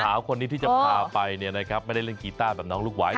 สาวคนนี้ที่จะพาไปไม่ได้เล่นกีต้าแบบน้องลูกไว้